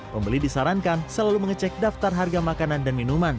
pembeli disarankan selalu mengecek daftar harga makanan dan minuman